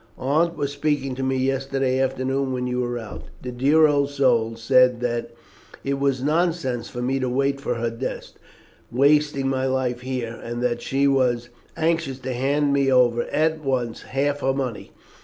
Aunt was speaking to me yesterday afternoon when you were out. The dear old soul said that it was nonsense for me to wait for her death, wasting my life here, and that she was anxious to hand me over at once half her money.